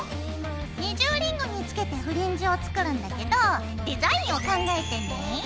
二重リングにつけてフリンジを作るんだけどデザインを考えてね。